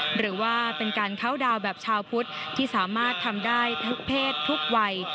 หรือว่าเป็นการเข้าดาวน์แบบชาวพุทธที่สามารถทำได้ทุกเพศทุกวัย